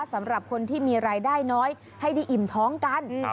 สำหรับคนที่มีรายได้น้อยให้ได้อิ่มท้องกัน